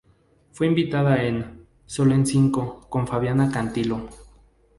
Fue invitada en "Sol en cinco" con Fabiana Cantilo.